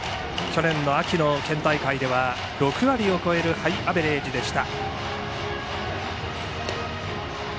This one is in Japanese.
去年秋の県大会では６割を超えるハイアベレージでした。